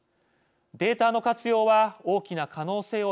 データの活用は大きな可能性を秘めています。